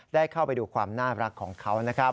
ได้เข้าไปดูความน่ารักของเขานะครับ